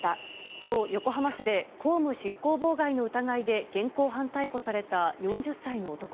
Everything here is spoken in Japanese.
きょう、横浜市で公務執行妨害の疑いで現行犯逮捕された４０歳の男。